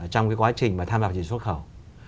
trong cái quá trình mà tham gia vào thị trường xuất khẩu